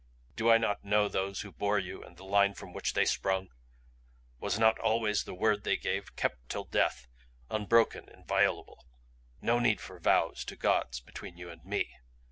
Do I not know those who bore you and the line from which they sprung? Was not always the word they gave kept till death unbroken, inviolable? No need for vows to gods between you and me.